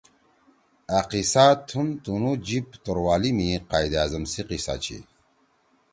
أ قصّہ تُھن تُنُو جیِب توروالی می قائد اعظم سی قصّہ چھی